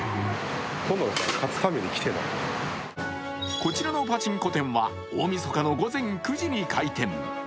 こちらのパチンコ店は、大みそかの午前９時に開店。